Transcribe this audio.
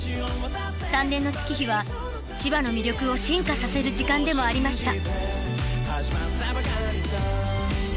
３年の月日は千葉の魅力を進化させる時間でもありました。